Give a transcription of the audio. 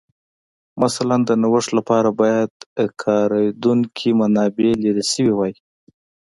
مثلاً د نوښت لپاره باید کارېدونکې منابع لرې شوې وای